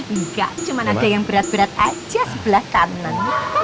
enggak cuma ada yang berat berat aja sebelah kanan